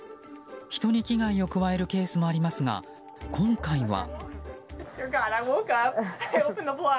人に危害を加えるケースもありますが、今回は。